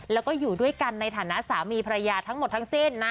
แล้วก็อยู่ด้วยกันในฐานะสามีภรรยาทั้งหมดทั้งสิ้นนะ